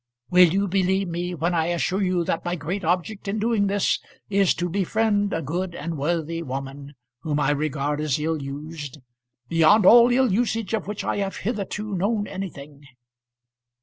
"Will you believe me when I assure you that my great object in doing this is to befriend a good and worthy woman whom I regard as ill used beyond all ill usage of which I have hitherto known anything?"